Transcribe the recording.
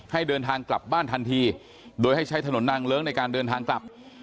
ให้เดินทางกลับบ้านทันทีโดยให้ใช้ถนนนางเลิ้งในการเดินทางกลับ